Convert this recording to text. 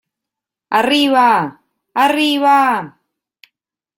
¡ arriba!... ¡ arriba !...